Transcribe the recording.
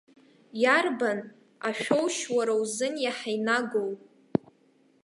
Иарбан ашәоушь уара узын иаҳа инагоу?